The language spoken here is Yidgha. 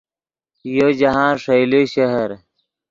یو جاہند ݰئیلے شہر